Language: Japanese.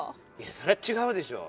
そりゃちがうでしょ。